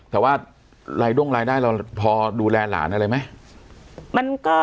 แต่ว่ารายด้งรายได้เราพอดูแลหลานอะไรไหม